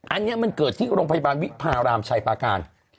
อันนี้มันเกิดที่โรงพยาบาลวิพารามชัยปาการ